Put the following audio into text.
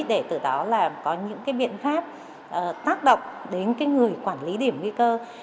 để từ đó là có những biện pháp tác động đến người quản lý điểm nguy cơ